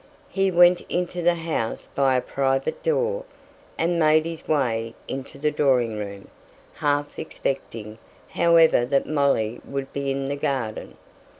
He went into the house by a private door, and made his way into the drawing room, half expecting, however, that Molly would be in the garden.